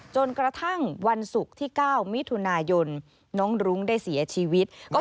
จนกระทั่งวันศุกร์ที่๙มิถุนายนน้องรุ้งได้เสียชีวิต